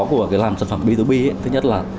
của làm sản phẩm b hai b ấy thứ nhất là